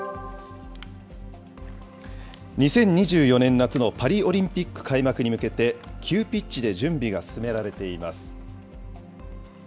２０２４年夏のパリオリンピック開幕に向けて、急ピッチで準備が進められています。